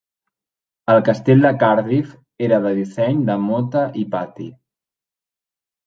El castell de Cardiff era de disseny de mota i pati.